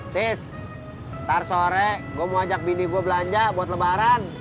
tis ntar sore gue mau ajak bini gue belanja buat lebaran